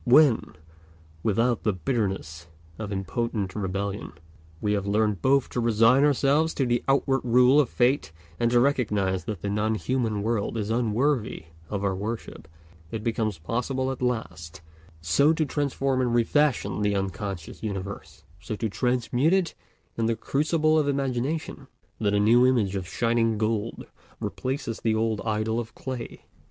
When, without the bitterness of impotent rebellion, we have learnt both to resign ourselves to the outward rule of Fate and to recognize that the non human world is unworthy of our worship, it becomes possible at last so to transform and refashion the unconscious universe, so to transmute it in the crucible of imagination, that a new image of shining gold replaces the old idol of clay.